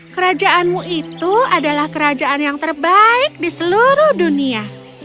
kerajaanmu itu adalah kerajaan yang terbaik di seluruh dunia